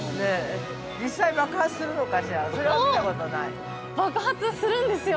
実際に爆発するのかしら、それは見たことない？◆爆発するんですよ。